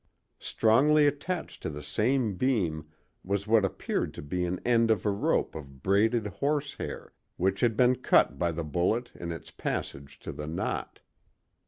Strongly attached to the same beam was what appeared to be an end of a rope of braided horsehair, which had been cut by the bullet in its passage to the knot.